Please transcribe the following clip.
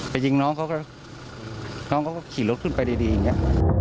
ไปยิงน้องเขาก็น้องเขาก็ขี่รถขึ้นไปดีอย่างนี้